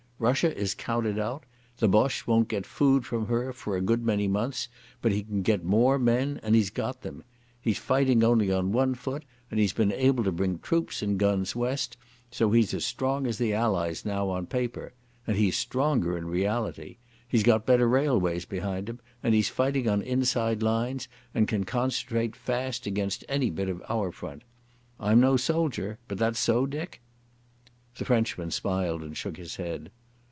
Russia is counted out. The Boche won't get food from her for a good many months, but he can get more men, and he's got them. He's fighting only on one foot, and he's been able to bring troops and guns west so he's as strong as the Allies now on paper. And he's stronger in reality. He's got better railways behind him, and he's fighting on inside lines and can concentrate fast against any bit of our front. I'm no soldier, but that's so, Dick?" The Frenchman smiled and shook his head.